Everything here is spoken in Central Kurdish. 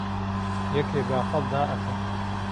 یەکێ باخەڵ دائەکا